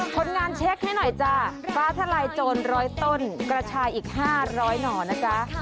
ผลงานเช็คให้หน่อยจ้าฟ้าทะลายโจรร้อยต้นกระชายอีกห้าร้อยหน่อยนะคะ